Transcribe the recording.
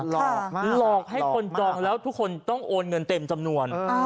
หลอกหลอกให้คนจองแล้วทุกคนต้องโอนเงินเต็มจำนวน